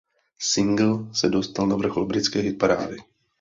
Singl se dostal na vrchol britské hitparády.